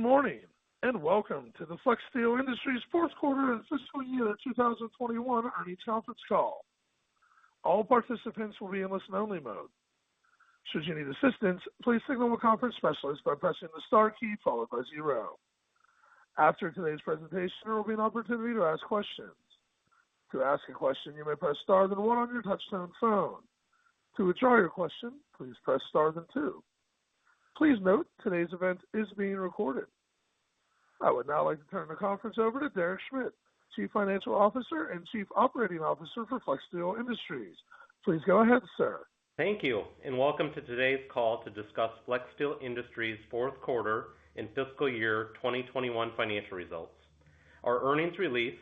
Good morning, and welcome to the Flexsteel Industries fourth quarter and fiscal year 2021 earnings conference call. I would now like to turn the conference over to Derek Schmidt, Chief Financial Officer and Chief Operating Officer for Flexsteel Industries. Please go ahead, sir. Thank you, welcome to today's call to discuss Flexsteel Industries' fourth quarter and fiscal year 2021 financial results. Our earnings release,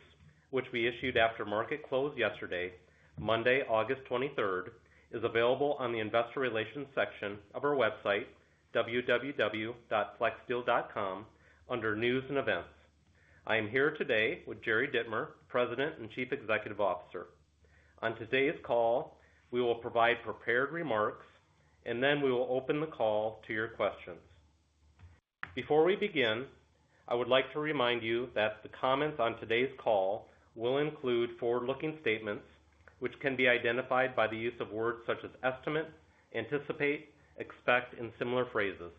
which we issued after market close yesterday, Monday, August 23rd, is available on the investor relations section of our website, www.flexsteel.com, under news and events. I am here today with [Jerry Dittmer], President and Chief Executive Officer. On today's call, we will provide prepared remarks, and then we will open the call to your questions. Before we begin, I would like to remind you that the comments on today's call will include forward-looking statements, which can be identified by the use of words such as estimate, anticipate, expect, and similar phrases.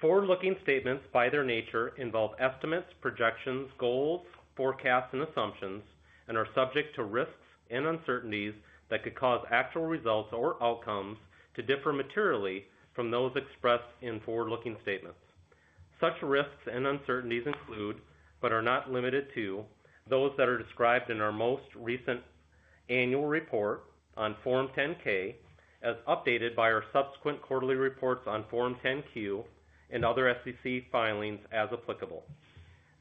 Forward-looking statements, by their nature, involve estimates, projections, goals, forecasts, and assumptions, and are subject to risks and uncertainties that could cause actual results or outcomes to differ materially from those expressed in forward-looking statements. Such risks and uncertainties include, but are not limited to, those that are described in our most recent annual report on Form 10-K, as updated by our subsequent quarterly reports on Form 10-Q, and other SEC filings as applicable.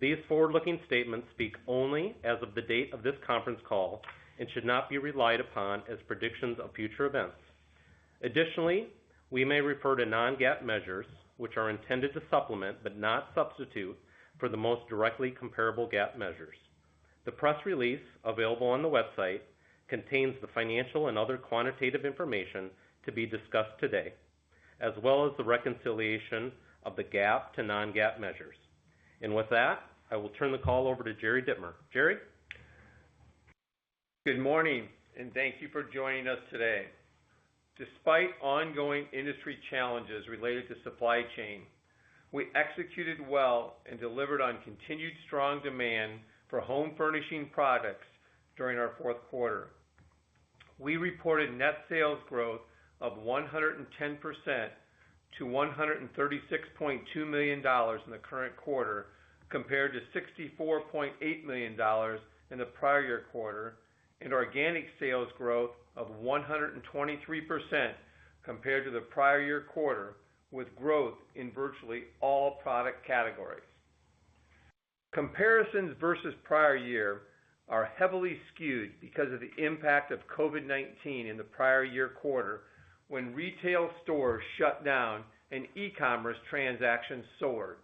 These forward-looking statements speak only as of the date of this conference call and should not be relied upon as predictions of future events. Additionally, we may refer to non-GAAP measures, which are intended to supplement, but not substitute, for the most directly comparable GAAP measures. The press release available on the website contains the financial and other quantitative information to be discussed today, as well as the reconciliation of the GAAP to non-GAAP measures. With that, I will turn the call over to [Jerry Dittmer]. [Jerry]? Good morning, and thank you for joining us today. Despite ongoing industry challenges related to supply chain, we executed well and delivered on continued strong demand for home furnishing products during our fourth quarter. We reported net sales growth of 110% to $136.2 million in the current quarter, compared to $64.8 million in the prior year quarter, and organic sales growth of 123% compared to the prior year quarter, with growth in virtually all product categories. Comparisons versus prior year are heavily skewed because of the impact of COVID-19 in the prior year quarter, when retail stores shut down and e-commerce transactions soared.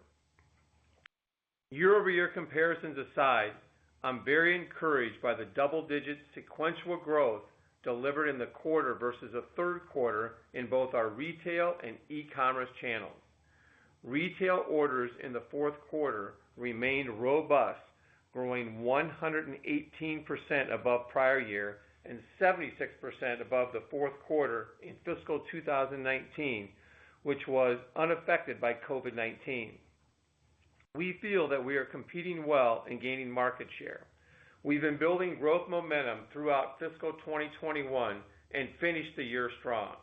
Year-over-year comparisons aside, I'm very encouraged by the double-digit sequential growth delivered in the quarter versus the third quarter in both our retail and e-commerce channels. Retail orders in the fourth quarter remained robust, growing 118% above prior year and 76% above the fourth quarter in fiscal 2019, which was unaffected by COVID-19. We feel that we are competing well and gaining market share. We've been building growth momentum throughout fiscal 2021 and finished the year strong.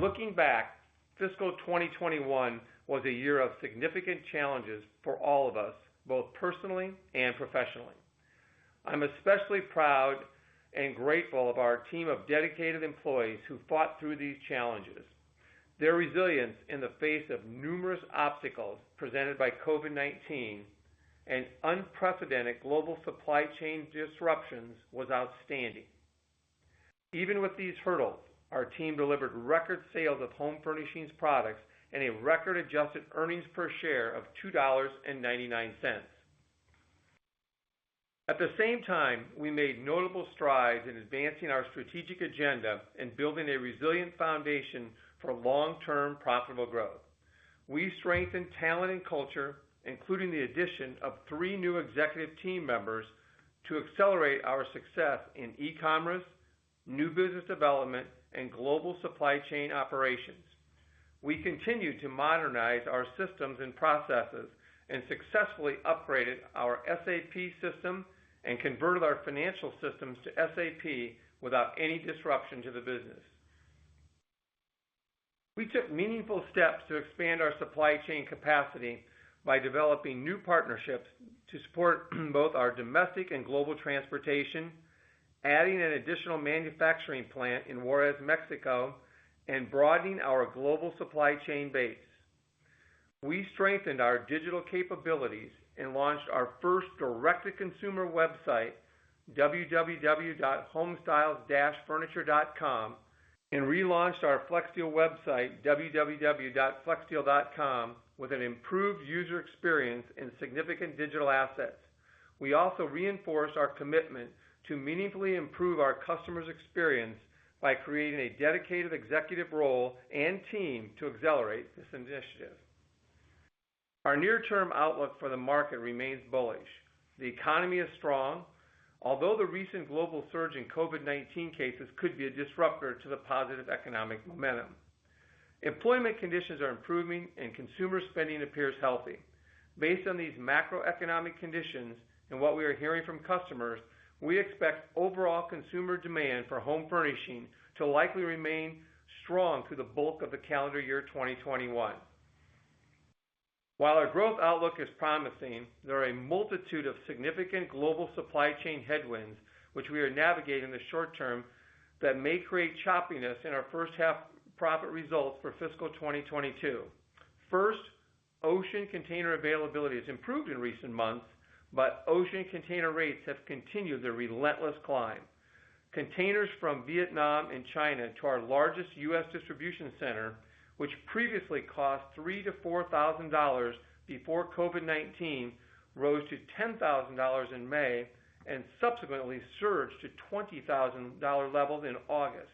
Looking back, fiscal 2021 was a year of significant challenges for all of us, both personally and professionally. I'm especially proud and grateful of our team of dedicated employees who fought through these challenges. Their resilience in the face of numerous obstacles presented by COVID-19 and unprecedented global supply chain disruptions was outstanding. Even with these hurdles, our team delivered record sales of home furnishings products and a record-adjusted earnings per share of $2.99. At the same time, we made notable strides in advancing our strategic agenda and building a resilient foundation for long-term profitable growth. We strengthened talent and culture, including the addition of three new executive team members to accelerate our success in e-commerce, new business development, and global supply chain operations. We continued to modernize our systems and processes and successfully upgraded our SAP system and converted our financial systems to SAP without any disruption to the business. We took meaningful steps to expand our supply chain capacity by developing new partnerships to support both our domestic and global transportation, adding an additional manufacturing plant in Juarez, Mexico, and broadening our global supply chain base. We strengthened our digital capabilities and launched our first direct-to-consumer website, www.homestylesfurniture.com, and relaunched our Flexsteel website, www.flexsteel.com, with an improved user experience and significant digital assets. We also reinforced our commitment to meaningfully improve our customers' experience by creating a dedicated executive role and team to accelerate this initiative. Our near-term outlook for the market remains bullish. The economy is strong, although the recent global surge in COVID-19 cases could be a disruptor to the positive economic momentum. Employment conditions are improving, and consumer spending appears healthy. Based on these macroeconomic conditions and what we are hearing from customers, we expect overall consumer demand for home furnishings to likely remain strong through the bulk of the calendar year 2021. While our growth outlook is promising, there are a multitude of significant global supply chain headwinds, which we are navigating in the short term, that may create choppiness in our first half profit results for fiscal 2022. First, ocean container availability has improved in recent months, but ocean container rates have continued their relentless climb. Containers from Vietnam and China to our largest U.S. distribution center, which previously cost $3,000-$4,000 before COVID-19, rose to $10,000 in May and subsequently surged to $20,000 levels in August.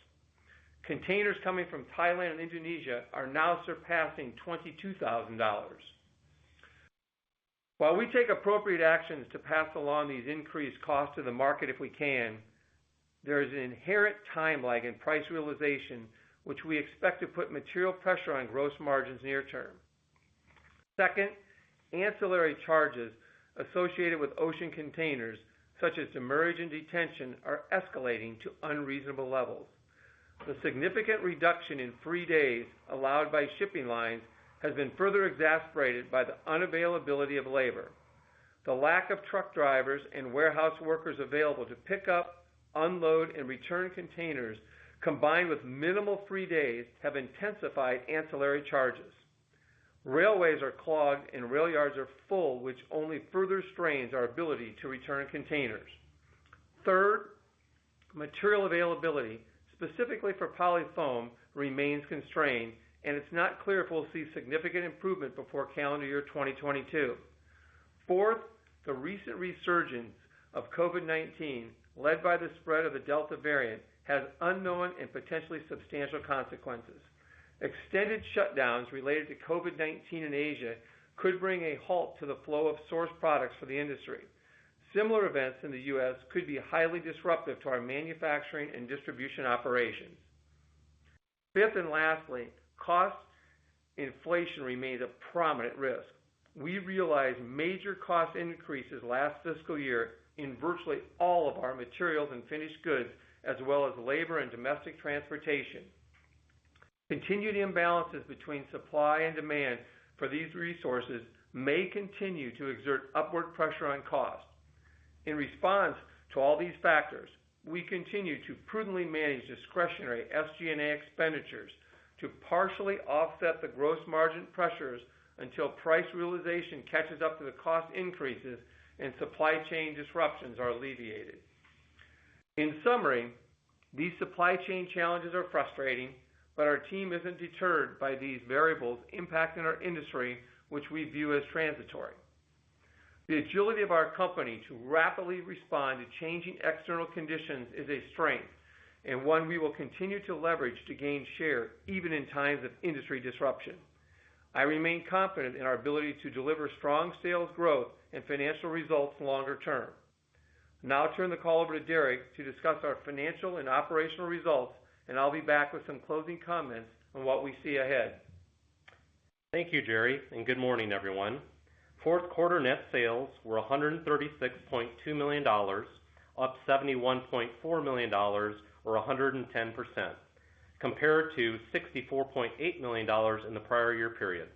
Containers coming from Thailand and Indonesia are now surpassing $22,000. While we take appropriate actions to pass along these increased costs to the market if we can, there is an inherent time lag in price realization, which we expect to put material pressure on gross margins near-term. Second, ancillary charges associated with ocean containers, such as demurrage and detention, are escalating to unreasonable levels. The significant reduction in free days allowed by shipping lines has been further exacerbated by the unavailability of labor. The lack of truck drivers and warehouse workers available to pick up, unload, and return containers, combined with minimal free days, have intensified ancillary charges. Railways are clogged, and rail yards are full, which only further strains our ability to return containers. Third, material availability, specifically for polyfoam, remains constrained, and it's not clear if we'll see significant improvement before calendar year 2022. Fourth, the recent resurgence of COVID-19, led by the spread of the Delta variant, has unknown and potentially substantial consequences. Extended shutdowns related to COVID-19 in Asia could bring a halt to the flow of source products for the industry. Similar events in the U.S. could be highly disruptive to our manufacturing and distribution operations. Fifth and lastly, cost inflation remains a prominent risk. We realized major cost increases last fiscal year in virtually all of our materials and finished goods, as well as labor and domestic transportation. Continued imbalances between supply and demand for these resources may continue to exert upward pressure on costs. In response to all these factors, we continue to prudently manage discretionary SG&A expenditures to partially offset the gross margin pressures until price realization catches up to the cost increases and supply chain disruptions are alleviated. In summary, these supply chain challenges are frustrating, but our team isn't deterred by these variables impacting our industry, which we view as transitory. The agility of our company to rapidly respond to changing external conditions is a strength, and one we will continue to leverage to gain share even in times of industry disruption. I remain confident in our ability to deliver strong sales growth and financial results longer term. Now I'll turn the call over to Derek to discuss our financial and operational results, and I'll be back with some closing comments on what we see ahead. Thank you, Jerry. Good morning, everyone. Fourth quarter net sales were $136.2 million, up $71.4 million, or 110%, compared to $64.8 million in the prior year period.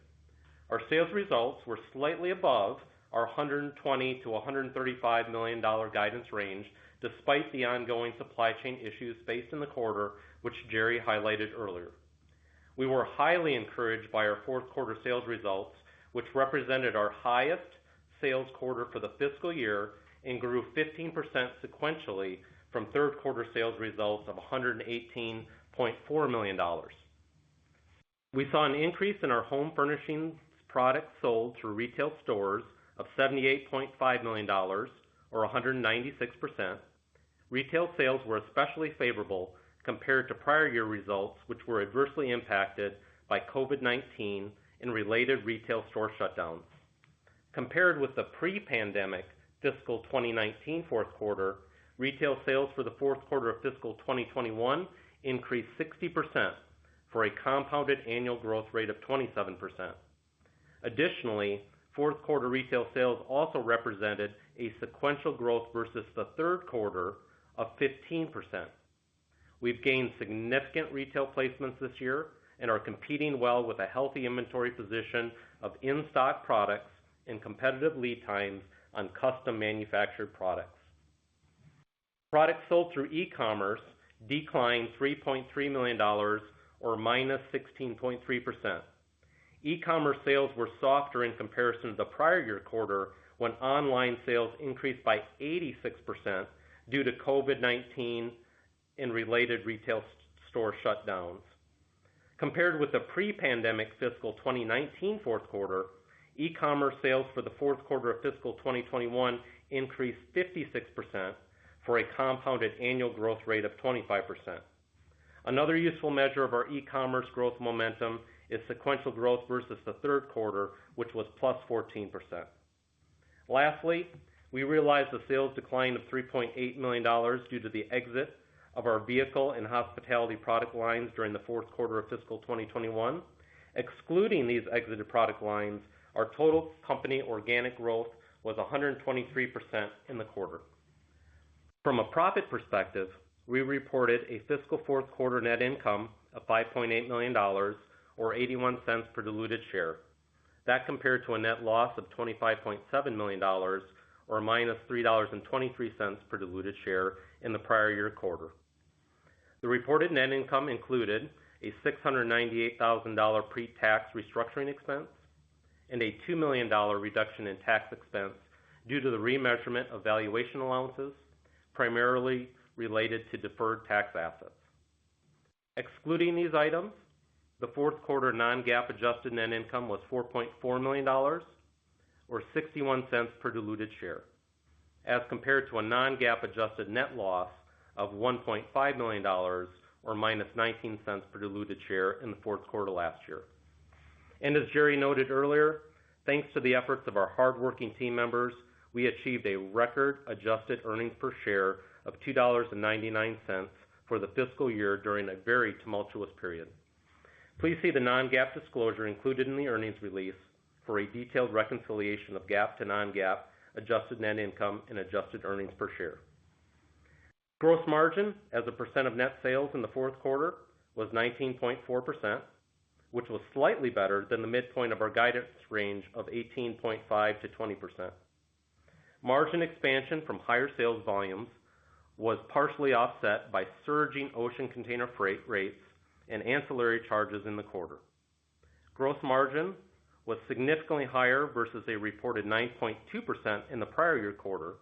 Our sales results were slightly above our $120 million-$135 million guidance range, despite the ongoing supply chain issues faced in the quarter, which Jerry highlighted earlier. We were highly encouraged by our fourth quarter sales results, which represented our highest sales quarter for the fiscal year and grew 15% sequentially from third quarter sales results of $118.4 million. We saw an increase in our home furnishings products sold through retail stores of $78.5 million, or 196%. Retail sales were especially favorable compared to prior year results, which were adversely impacted by COVID-19 and related retail store shutdowns. Compared with the pre-pandemic fiscal 2019 fourth quarter, retail sales for the fourth quarter of fiscal 2021 increased 60%, for a compounded annual growth rate of 27%. Fourth quarter retail sales also represented a sequential growth versus the third quarter of 15%. We've gained significant retail placements this year and are competing well with a healthy inventory position of in-stock products and competitive lead times on custom manufactured products. Products sold through e-commerce declined $3.3 million, or -16.3%. E-commerce sales were softer in comparison to the prior year quarter, when online sales increased by 86% due to COVID-19 and related retail store shutdowns. Compared with the pre-pandemic fiscal 2019 fourth quarter, e-commerce sales for the fourth quarter of fiscal 2021 increased 56%, for a compounded annual growth rate of 25%. Another useful measure of our e-commerce growth momentum is sequential growth versus the third quarter, which was +14%. Lastly, we realized a sales decline of $3.8 million due to the exit of our vehicle and hospitality product lines during the fourth quarter of fiscal 2021. Excluding these exited product lines, our total company organic growth was 123% in the quarter. From a profit perspective, we reported a fiscal fourth quarter net income of $5.8 million, or $0.81 per diluted share. That compared to a net loss of $25.7 million, or -$3.23 per diluted share in the prior year quarter. The reported net income included a $698,000 pre-tax restructuring expense and a $2 million reduction in tax expense due to the remeasurement of valuation allowances, primarily related to deferred tax assets. Excluding these items, the fourth quarter non-GAAP adjusted net income was $4.4 million, or $0.61 per diluted share, as compared to a non-GAAP adjusted net loss of $1.5 million, or -$0.19 per diluted share in the fourth quarter last year. As Jerry noted earlier, thanks to the efforts of our hardworking team members, we achieved a record adjusted earnings per share of $2.99 for the fiscal year during a very tumultuous period. Please see the non-GAAP disclosure included in the earnings release for a detailed reconciliation of GAAP to non-GAAP adjusted net income and adjusted earnings per share. Gross margin as a percent of net sales in the fourth quarter was 19.4%, which was slightly better than the midpoint of our guidance range of 18.5%-20%. Margin expansion from higher sales volumes was partially offset by surging ocean container freight rates and ancillary charges in the quarter. Gross margin was significantly higher versus a reported 9.2% in the prior year quarter.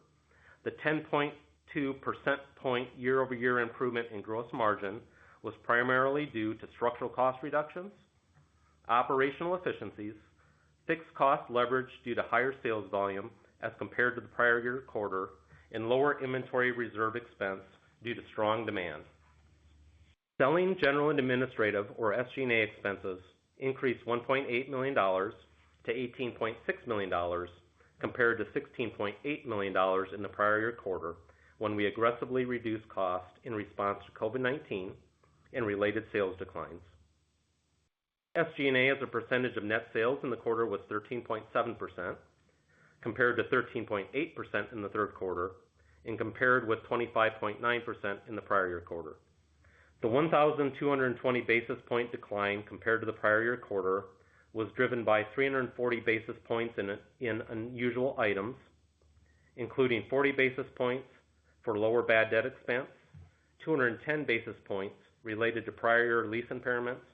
The 10.2% point year-over-year improvement in gross margin was primarily due to structural cost reductions, operational efficiencies, fixed cost leverage due to higher sales volume as compared to the prior year quarter, and lower inventory reserve expense due to strong demand. Selling, general, and administrative or SG&A expenses increased $1.8 million to $18.6 million, compared to $16.8 million in the prior year quarter, when we aggressively reduced costs in response to COVID-19 and related sales declines. SG&A as a percentage of net sales in the quarter was 13.7%, compared to 13.8% in the third quarter and compared with 25.9% in the prior year quarter. The 1,220 basis point decline compared to the prior year quarter was driven by 340 basis points in unusual items, including 40 basis points for lower bad debt expense, 210 basis points related to prior year lease impairments,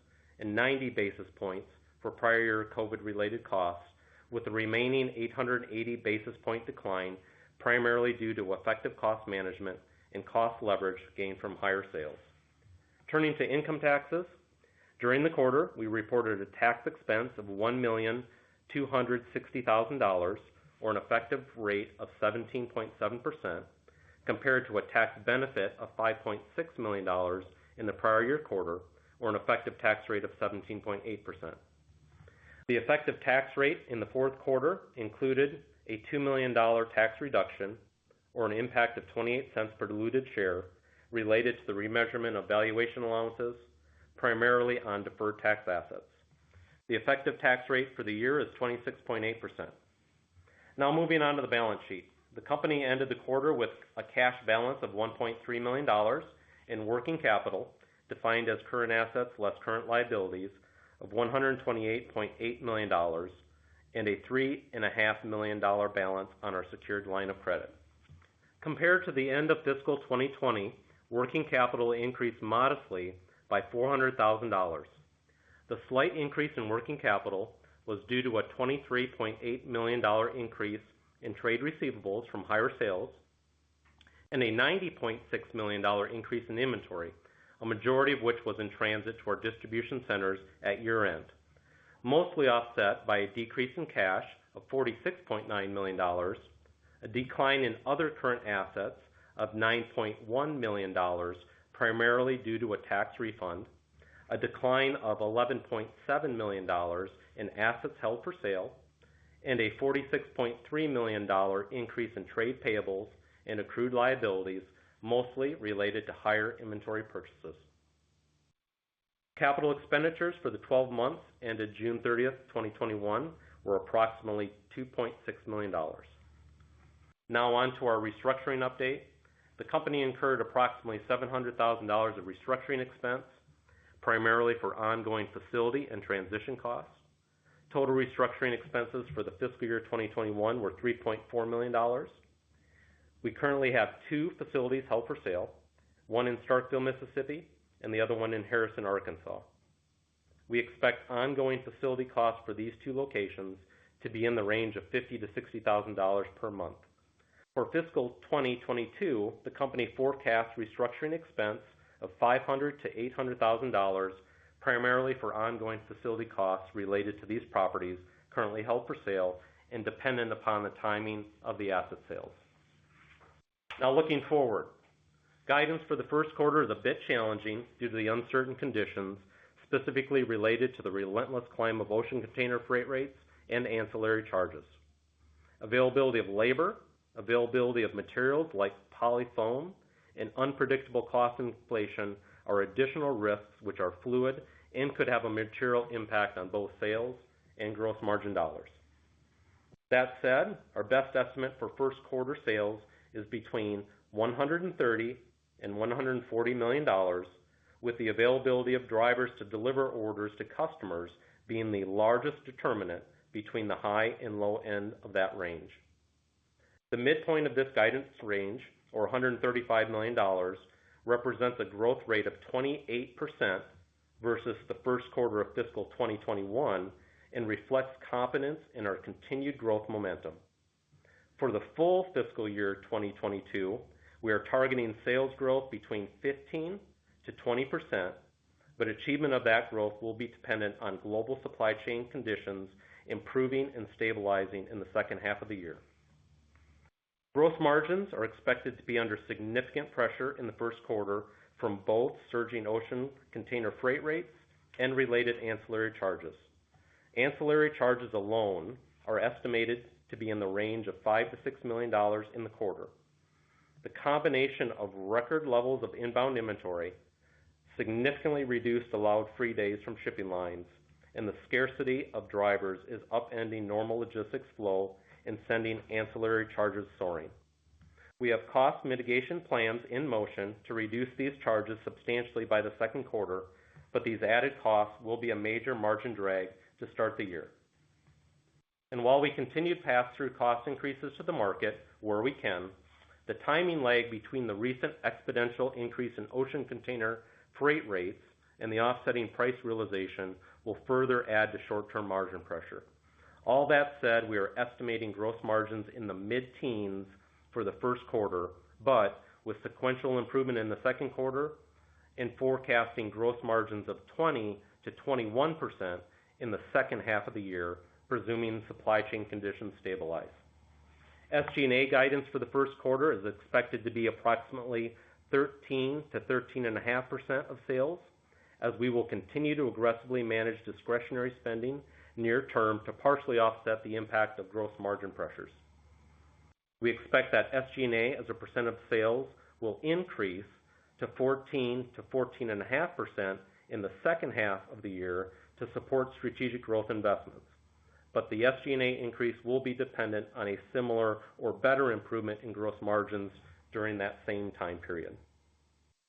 and 90 basis points for prior year COVID-related costs with the remaining 880 basis point decline, primarily due to effective cost management and cost leverage gained from higher sales. Turning to income taxes. During the quarter, we reported a tax expense of $1,260,000, or an effective rate of 17.7%, compared to a tax benefit of $5.6 million in the prior year quarter, or an effective tax rate of 17.8%. The effective tax rate in the fourth quarter included a $2 million tax reduction or an impact of $0.28 per diluted share related to the remeasurement of valuation allowances, primarily on deferred tax assets. The effective tax rate for the year is 26.8%. Moving on to the balance sheet. The company ended the quarter with a cash balance of $1.3 million in working capital, defined as current assets less current liabilities of $128.8 million, and a $3.5 million balance on our secured line of credit. Compared to the end of fiscal 2020, working capital increased modestly by $400,000. The slight increase in working capital was due to a $23.8 million increase in trade receivables from higher sales and a $90.6 million increase in inventory. A majority of which was in transit to our distribution centers at year-end, mostly offset by a decrease in cash of $46.9 million, a decline in other current assets of $9.1 million, primarily due to a tax refund, a decline of $11.7 million in assets held for sale, and a $46.3 million increase in trade payables and accrued liabilities, mostly related to higher inventory purchases. Capital expenditures for the 12 months ended June 30th, 2021, were approximately $2.6 million. Now on to our restructuring update. The company incurred approximately $700,000 of restructuring expense, primarily for ongoing facility and transition costs. Total restructuring expenses for the fiscal year 2021 were $3.4 million. We currently have two facilities held for sale, one in Starkville, Mississippi, and the other one in Harrison, Arkansas. We expect ongoing facility costs for these two locations to be in the range of $50,000-$60,000 per month. For fiscal 2022, the company forecasts restructuring expense of $500,000-$800,000, primarily for ongoing facility costs related to these properties currently held for sale and dependent upon the timing of the asset sales. Looking forward, guidance for the first quarter is a bit challenging due to the uncertain conditions, specifically related to the relentless climb of ocean container freight rates and ancillary charges. Availability of labor, availability of materials like polyfoam, and unpredictable cost inflation are additional risks which are fluid and could have a material impact on both sales and gross margin dollars. That said, our best estimate for first quarter sales is between $130 million-$140 million, with the availability of drivers to deliver orders to customers being the largest determinant between the high and low end of that range. The midpoint of this guidance range, or $135 million, represents a growth rate of 28% versus the first quarter of fiscal 2021 and reflects confidence in our continued growth momentum. For the full fiscal year 2022, we are targeting sales growth between 15%-20%, but achievement of that growth will be dependent on global supply chain conditions improving and stabilizing in the second half of the year. Gross margins are expected to be under significant pressure in the first quarter from both surging ocean container freight rates and related ancillary charges. Ancillary charges alone are estimated to be in the range of $5 million-$6 million in the quarter. The combination of record levels of inbound inventory significantly reduced allowed free days from shipping lines, and the scarcity of drivers is upending normal logistics flow and sending ancillary charges soaring. We have cost mitigation plans in motion to reduce these charges substantially by the second quarter, but these added costs will be a major margin drag to start the year. While we continue pass-through cost increases to the market where we can, the timing lag between the recent exponential increase in ocean container freight rates and the offsetting price realization will further add to short-term margin pressure. All that said, we are estimating gross margins in the mid-teens for the first quarter, but with sequential improvement in the second quarter and forecasting gross margins of 20%-21% in the second half of the year, presuming supply chain conditions stabilize. SG&A guidance for the first quarter is expected to be approximately 13%-13.5% of sales, as we will continue to aggressively manage discretionary spending near term to partially offset the impact of gross margin pressures. We expect that SG&A as a percent of sales will increase to 14%-14.5% in the second half of the year to support strategic growth investments. The SG&A increase will be dependent on a similar or better improvement in gross margins during that same time period.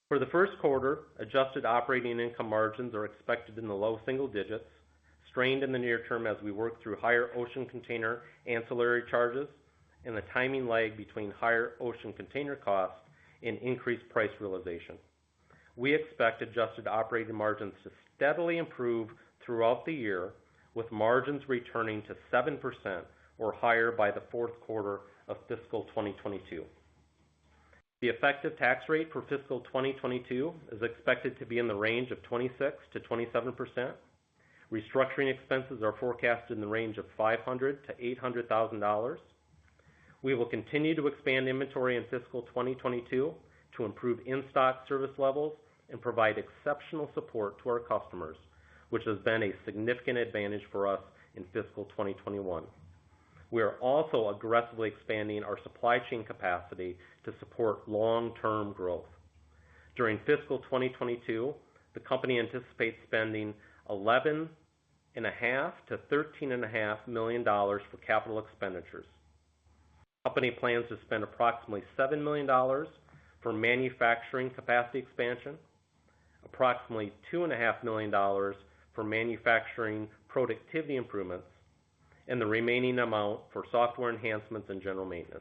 For the first quarter, adjusted operating income margins are expected in the low single digits, strained in the near term as we work through higher ocean container ancillary charges and the timing lag between higher ocean container costs and increased price realization. We expect adjusted operating margins to steadily improve throughout the year, with margins returning to 7% or higher by the fourth quarter of fiscal 2022. The effective tax rate for fiscal 2022 is expected to be in the range of 26%-27%. Restructuring expenses are forecast in the range of $500,000-$800,000. We will continue to expand inventory in fiscal 2022 to improve in-stock service levels and provide exceptional support to our customers, which has been a significant advantage for us in fiscal 2021. We are also aggressively expanding our supply chain capacity to support long-term growth. During fiscal 2022, the company anticipates spending $11.5 million-$13.5 million for capital expenditures. Company plans to spend approximately $7 million for manufacturing capacity expansion, approximately $2.5 million for manufacturing productivity improvements, and the remaining amount for software enhancements and general maintenance.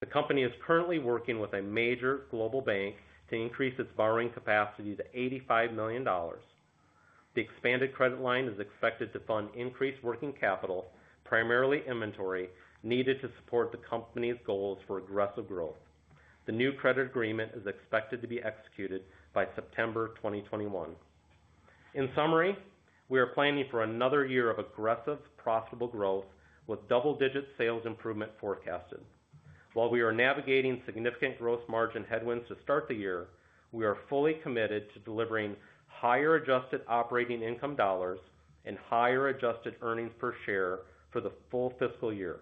The company is currently working with a major global bank to increase its borrowing capacity to $85 million. The expanded credit line is expected to fund increased working capital, primarily inventory, needed to support the company's goals for aggressive growth. The new credit agreement is expected to be executed by September 2021. In summary, we are planning for another year of aggressive, profitable growth with double-digit sales improvement forecasted. While we are navigating significant gross margin headwinds to start the year, we are fully committed to delivering higher adjusted operating income dollars and higher adjusted earnings per share for the full fiscal year.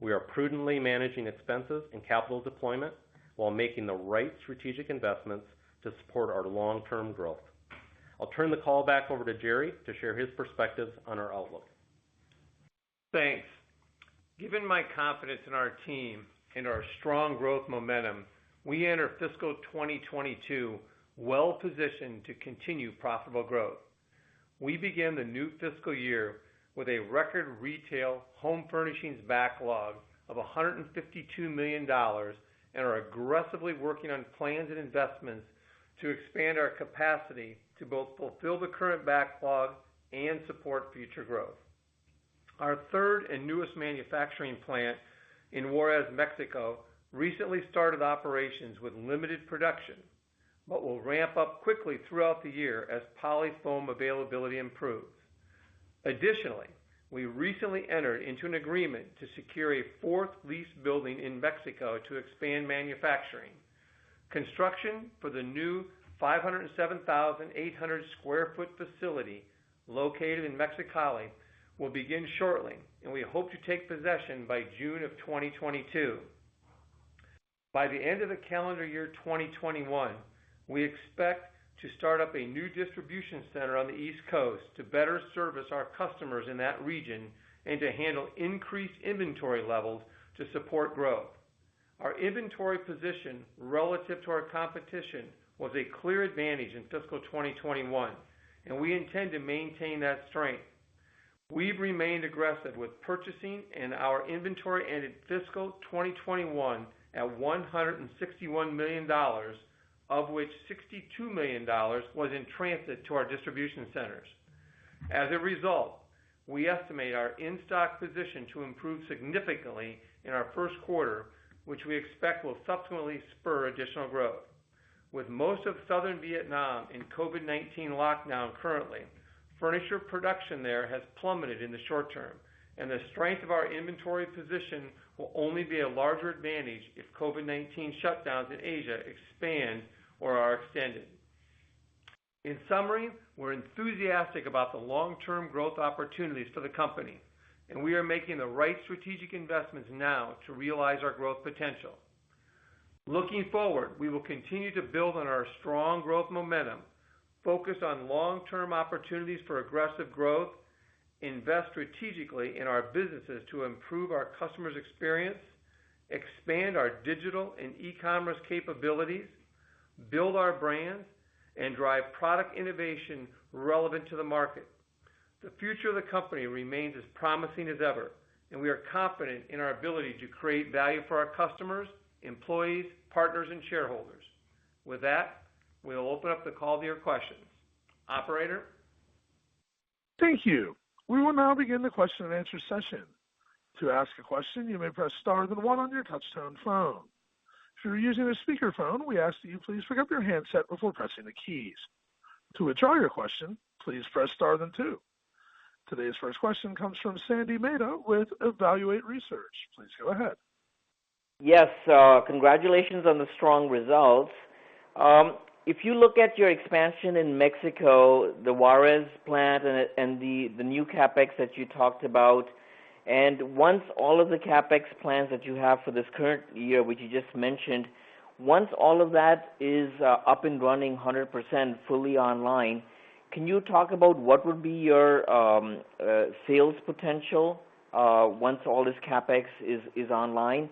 We are prudently managing expenses and capital deployment while making the right strategic investments to support our long-term growth. I'll turn the call back over to [Jerry] to share his perspectives on our outlook. Thanks. Given my confidence in our team and our strong growth momentum, we enter fiscal 2022 well-positioned to continue profitable growth. We begin the new fiscal year with a record retail home furnishings backlog of $152 million and are aggressively working on plans and investments to expand our capacity to both fulfill the current backlog and support future growth. Our third and newest manufacturing plant in Juarez, Mexico recently started operations with limited production, but will ramp up quickly throughout the year as polyfoam availability improves. Additionally, we recently entered into an agreement to secure a fourth leased building in Mexico to expand manufacturing. Construction for the new 507,800 sq ft facility located in Mexicali will begin shortly, and we hope to take possession by June of 2022. By the end of the calendar year 2021, we expect to start up a new distribution center on the East Coast to better service our customers in that region and to handle increased inventory levels to support growth. Our inventory position relative to our competition was a clear advantage in fiscal 2021, and we intend to maintain that strength. We've remained aggressive with purchasing, and our inventory ended fiscal 2021 at $161 million, of which $62 million was in transit to our distribution centers. As a result, we estimate our in-stock position to improve significantly in our first quarter, which we expect will subsequently spur additional growth. With most of southern Vietnam in COVID-19 lockdown currently, furniture production there has plummeted in the short term, and the strength of our inventory position will only be a larger advantage if COVID-19 shutdowns in Asia expand or are extended. In summary, we're enthusiastic about the long-term growth opportunities for the company, and we are making the right strategic investments now to realize our growth potential. Looking forward, we will continue to build on our strong growth momentum, focus on long-term opportunities for aggressive growth, invest strategically in our businesses to improve our customers' experience, expand our digital and e-commerce capabilities, build our brands, and drive product innovation relevant to the market. The future of the company remains as promising as ever, and we are confident in our ability to create value for our customers, employees, partners, and shareholders. With that, we will open up the call to your questions. Operator? Thank you. We will now begin the question and answer session. To ask a question, you may press star then one on your touchtone phone. If you are using a speakerphone, we ask that you please pick up your handset before pressing the keys. To withdraw your question, please press star then two. Today's first question comes from Sandy Mehta with Evaluate Research. Please go ahead. Yes. Congratulations on the strong results. If you look at your expansion in Mexico, the Juarez plant and the new CapEx that you talked about, and once all of the CapEx plans that you have for this current year, which you just mentioned, once all of that is up and running 100% fully online, can you talk about what would be your sales potential once all this CapEx is online?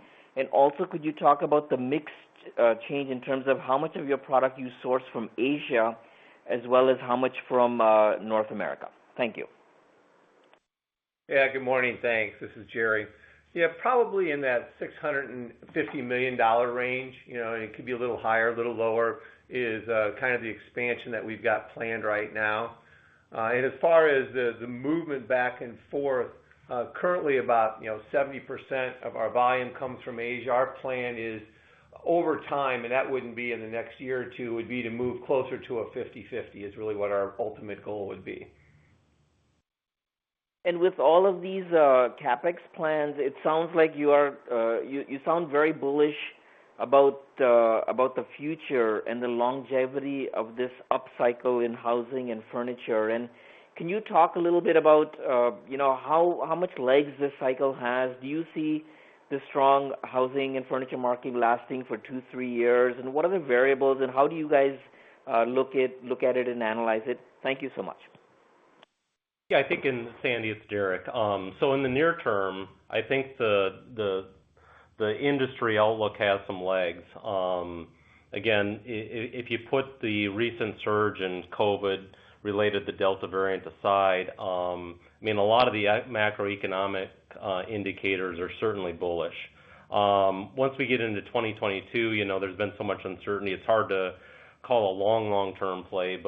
Also, could you talk about the mix change in terms of how much of your product you source from Asia, as well as how much from North America? Thank you. Good morning. Thanks. This is Jerry. Probably in that $650 million range, and it could be a little higher, a little lower, is kind of the expansion that we've got planned right now. As far as the movement back and forth, currently about 70% of our volume comes from Asia. Our plan is over time, and that wouldn't be in the next year or two, would be to move closer to a 50/50, is really what our ultimate goal would be. With all of these CapEx plans, you sound very bullish about the future and the longevity of this upcycle in housing and furniture. Can you talk a little bit about how much legs this cycle has? Do you see the strong housing and furniture market lasting for two years, three years? What are the variables, and how do you guys look at it and analyze it? Thank you so much. Sandy, it's Derek. In the near term, I think the industry outlook has some legs. Again, if you put the recent surge in COVID-19 related to Delta variant aside, a lot of the macroeconomic indicators are certainly bullish. Once we get into 2022, there's been so much uncertainty, it's hard to call a long, long-term play.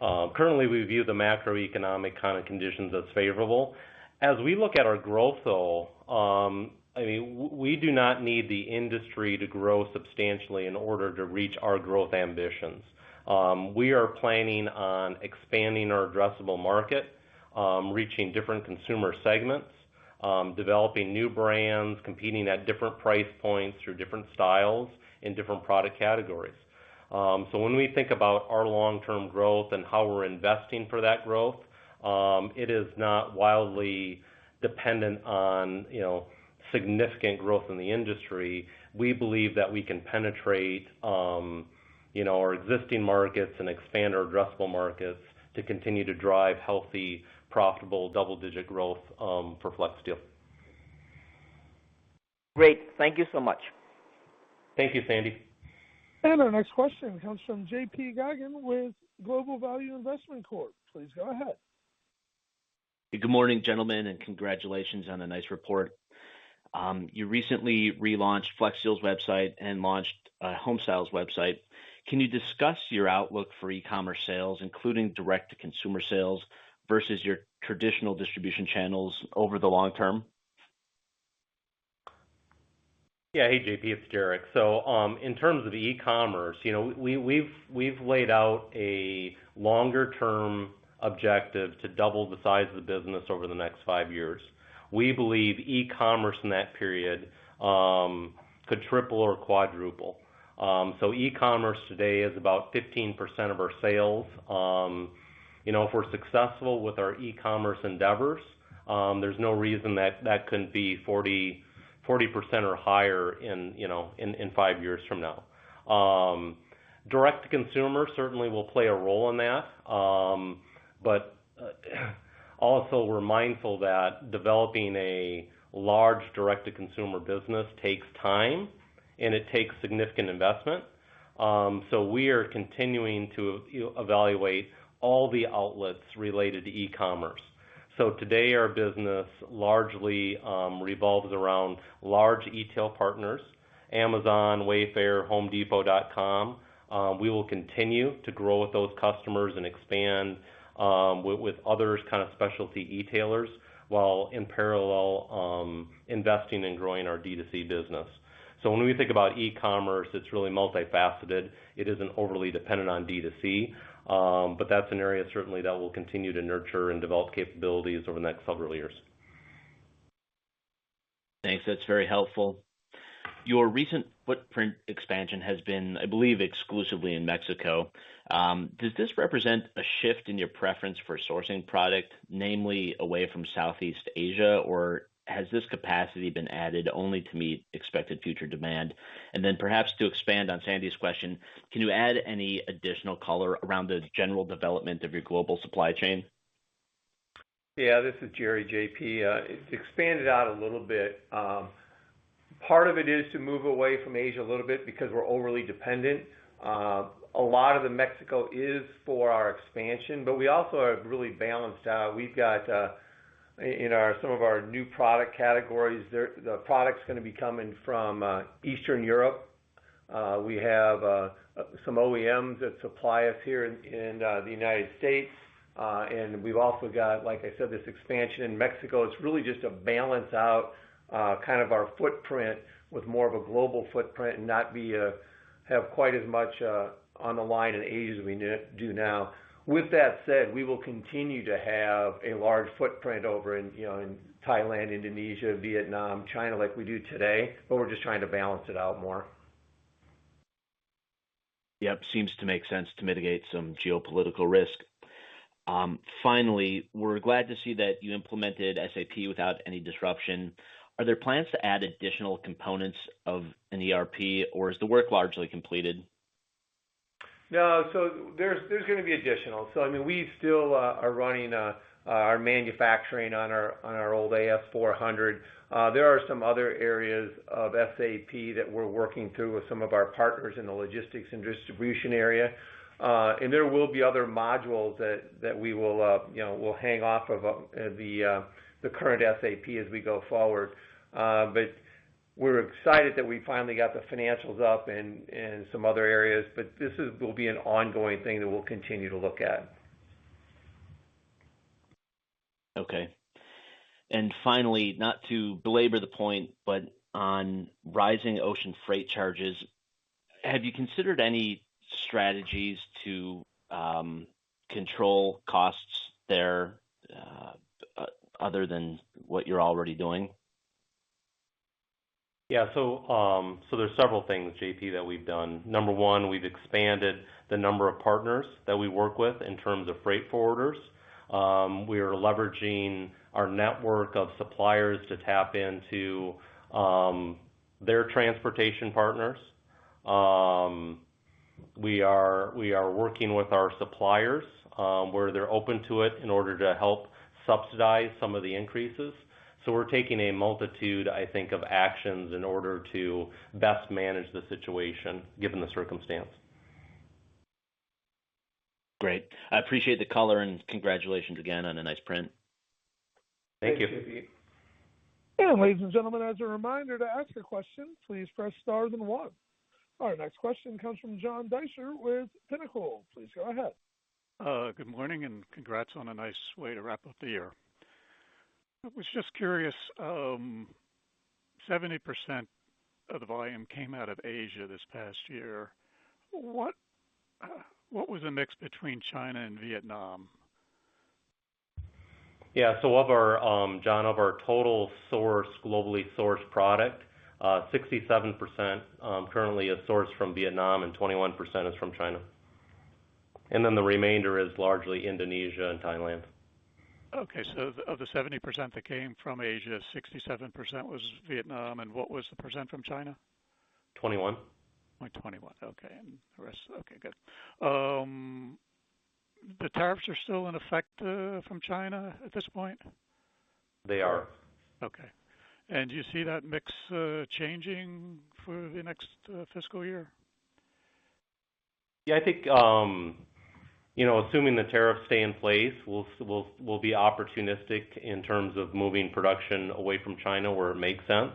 Currently, we view the macroeconomic kind of conditions as favorable. As we look at our growth though, we do not need the industry to grow substantially in order to reach our growth ambitions. We are planning on expanding our addressable market, reaching different consumer segments, developing new brands, competing at different price points through different styles in different product categories. When we think about our long-term growth and how we're investing for that growth, it is not wildly dependent on significant growth in the industry. We believe that we can penetrate our existing markets and expand our addressable markets to continue to drive healthy, profitable, double-digit growth for Flexsteel. Great. Thank you so much. Thank you, Sandy. Our next question comes from JP Geygan with Global Value Investment Corp. Please go ahead. Good morning, gentlemen, and congratulations on a nice report. You recently relaunched Flexsteel's website and launched a Homestyles website. Can you discuss your outlook for e-commerce sales, including direct-to-consumer sales, versus your traditional distribution channels over the long term? Yeah. Hey, JP, it's Derek. In terms of e-commerce, we've laid out a longer-term objective to double the size of the business over the next five years. We believe e-commerce in that period could triple or quadruple. E-commerce today is about 15% of our sales. If we're successful with our e-commerce endeavors, there's no reason that couldn't be 40% or higher in five years from now. Direct-to-consumer certainly will play a role in that. Also, we're mindful that developing a large direct-to-consumer business takes time and it takes significant investment. We are continuing to evaluate all the outlets related to e-commerce. Today, our business largely revolves around large e-tail partners, Amazon, Wayfair, homedepot.com. We will continue to grow with those customers and expand with other kind of specialty e-tailers, while in parallel, investing in growing our D2C business. When we think about e-commerce, it's really multifaceted. It isn't overly dependent on D2C. That's an area certainly that we'll continue to nurture and develop capabilities over the next several years. Thanks. That is very helpful. Your recent footprint expansion has been, I believe, exclusively in Mexico. Does this represent a shift in your preference for sourcing product, namely away from Southeast Asia, or has this capacity been added only to meet expected future demand? Perhaps to expand on [Sandy's] question, can you add any additional color around the general development of your global supply chain? Yeah, this is Jerry, JP. Expanded out a little bit. Part of it is to move away from Asia a little bit because we're overly dependent. A lot of the Mexico is for our expansion, but we also have really balanced out. We've got, in some of our new product categories, the products going to be coming from Eastern Europe. We have some OEMs that supply us here in the U.S. We've also got, like I said, this expansion in Mexico. It's really just to balance out kind of our footprint with more of a global footprint and not have quite as much on the line in Asia as we do now. With that said, we will continue to have a large footprint over in Thailand, Indonesia, Vietnam, China, like we do today, but we're just trying to balance it out more. Yep. Seems to make sense to mitigate some geopolitical risk. We're glad to see that you implemented SAP without any disruption. Are there plans to add additional components of an ERP, or is the work largely completed? There's going to be additional. We still are running our manufacturing on our old AS400. There are some other areas of SAP that we're working through with some of our partners in the logistics and distribution area. There will be other modules that we'll hang off of the current SAP as we go forward. We're excited that we finally got the financials up in some other areas. This will be an ongoing thing that we'll continue to look at. Okay. Finally, not to belabor the point, but on rising ocean freight charges, have you considered any strategies to control costs there other than what you're already doing? Yeah. There's several things, JP, that we've done. Number one, we've expanded the number of partners that we work with in terms of freight forwarders. We are leveraging our network of suppliers to tap into their transportation partners. We are working with our suppliers, where they're open to it, in order to help subsidize some of the increases. We're taking a multitude, I think, of actions in order to best manage the situation, given the circumstance. Great. I appreciate the color, and congratulations again on a nice print. Thank you. Thanks, JP. Ladies and gentlemen, as a reminder, to ask a question, please press star then one. Our next question comes from John Deysher with Pinnacle. Please go ahead. Good morning, congrats on a nice way to wrap up the year. I was just curious, 70% of the volume came out of Asia this past year. What was the mix between China and Vietnam? Yeah. John, of our total globally sourced product, 67% currently is sourced from Vietnam and 21% is from China. The remainder is largely Indonesia and Thailand. Okay. Of the 70% that came from Asia, 67% was Vietnam, and what was the percent from China? [21%]. Only 21%. Okay. Okay, good. The tariffs are still in effect from China at this point? They are. Okay. Do you see that mix changing for the next fiscal year? Yeah, I think, assuming the tariffs stay in place, we'll be opportunistic in terms of moving production away from China where it makes sense.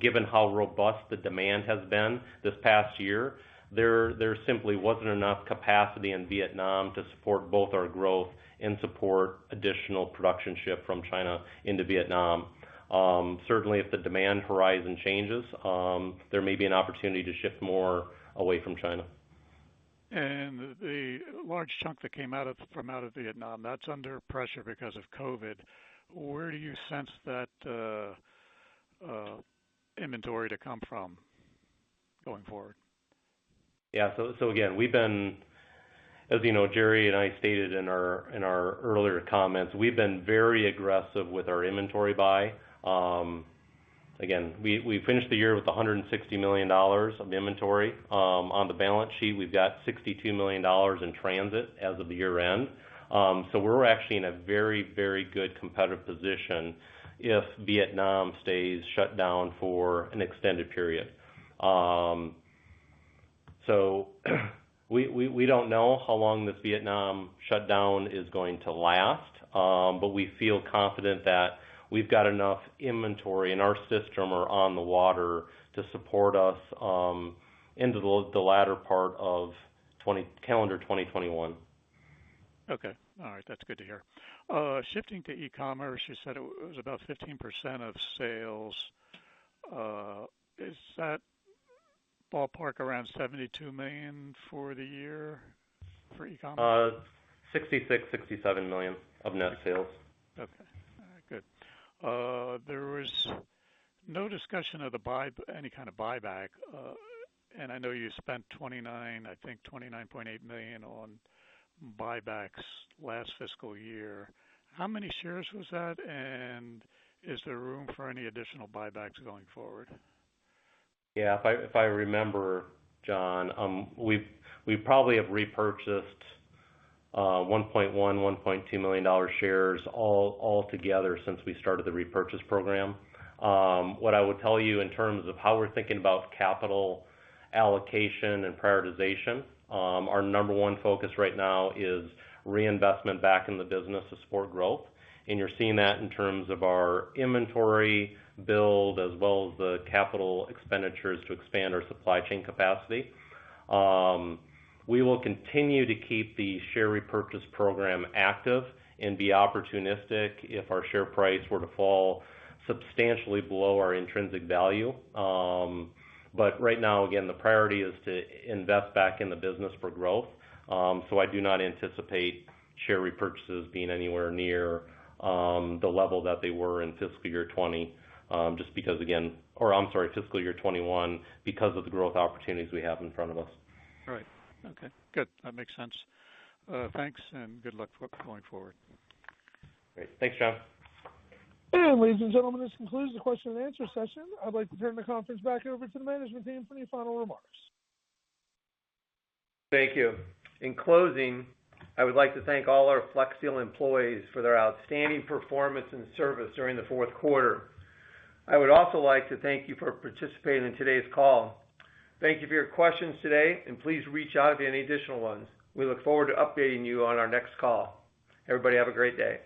Given how robust the demand has been this past year, there simply wasn't enough capacity in Vietnam to support both our growth and support additional production shift from China into Vietnam. Certainly, if the demand horizon changes, there may be an opportunity to shift more away from China. The large chunk that came from out of Vietnam, that's under pressure because of COVID. Where do you sense that inventory to come from going forward? Yeah. Again, as [Jerry] and I stated in our earlier comments, we've been very aggressive with our inventory buy. Again, we finished the year with $160 million of inventory on the balance sheet. We've got $62 million in transit as of the year-end. We're actually in a very good competitive position if Vietnam stays shut down for an extended period. We don't know how long this Vietnam shutdown is going to last, but we feel confident that we've got enough inventory in our system or on the water to support us into the latter part of calendar 2021. Okay. All right. That's good to hear. Shifting to e-commerce, you said it was about 15% of sales. Is that ballpark around $72 million for the year for e-commerce? $66 million, $67 million of net sales. Okay, good. There was no discussion of any kind of buyback. I know you spent, I think, $29.8 million on buybacks last fiscal year. How many shares was that? Is there room for any additional buybacks going forward? If I remember, John, we probably have repurchased $1.1 million, $1.2 million shares all together since we started the repurchase program. What I would tell you in terms of how we're thinking about capital allocation and prioritization, our number one focus right now is reinvestment back in the business to support growth, and you're seeing that in terms of our inventory build as well as the capital expenditures to expand our supply chain capacity. We will continue to keep the share repurchase program active and be opportunistic if our share price were to fall substantially below our intrinsic value. Right now, again, the priority is to invest back in the business for growth. I do not anticipate share repurchases being anywhere near the level that they were in fiscal year 2020, just because, I'm sorry, fiscal year 2021, because of the growth opportunities we have in front of us. All right. Okay, good. That makes sense. Thanks, and good luck going forward. Great. Thanks, John. Ladies and gentlemen, this concludes the question and answer session. I'd like to turn the conference back over to the management team for any final remarks. Thank you. In closing, I would like to thank all our Flexsteel employees for their outstanding performance and service during the fourth quarter. I would also like to thank you for participating in today's call. Thank you for your questions today, and please reach out with any additional ones. We look forward to updating you on our next call. Everybody have a great day.